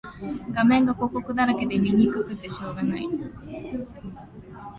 画面が広告だらけで見にくくてしょうがない